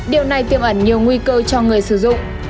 điều này tiêm ẩn nhiều nguy cơ cho người sử dụng